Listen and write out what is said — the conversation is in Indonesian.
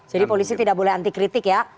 jadi polisi tidak boleh anti kritik ya